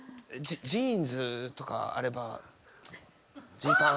ジーンズとかあればジーパン。